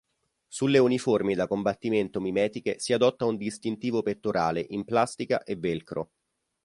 Sulle uniformi da combattimento mimetiche si adotta un distintivo pettorale in plastica e velcro.